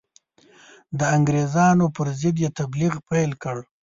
د انګرېزانو پر ضد یې تبلیغ پیل کړ.